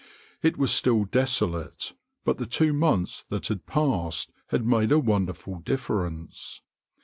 It was still desolate, but the two months that had passed had made a wonderful difference.